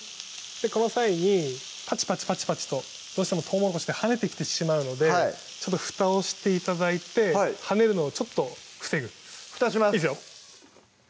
この際にパチパチパチパチとどうしてもとうもろこしって跳ねてきてしまうのでちょっとふたをして頂いて跳ねるのをちょっと防ぐふたします